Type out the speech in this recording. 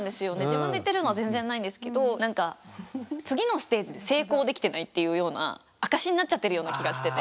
自分で言ってるのは全然ないんですけど次のステージで成功できてないっていうような証しになっちゃってるような気がしてて。